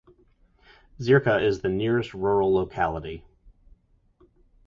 Zirka is the nearest rural locality.